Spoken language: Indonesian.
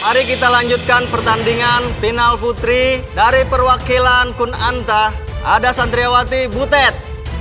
hari kita lanjutkan pertandingan final putri dari perwakilan kunanta ada santriawati butet